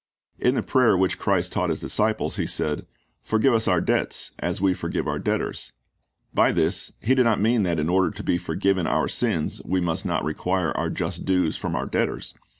In the prayer which Christ taught His disciples He said, "Forgive us our debts, as we forgive our debtors."^ By this He did not mean that in order to be forgiven our sins we must not require our just dues from our debtors.